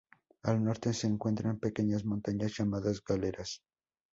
Al norte se encuentran pequeñas montañas llamadas galeras.